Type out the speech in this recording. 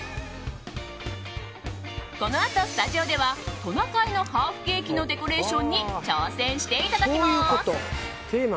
このあとスタジオではトナカイのハーフケーキのデコレーションに挑戦していただきます。